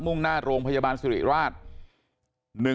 ่งหน้าโรงพยาบาลสิริราช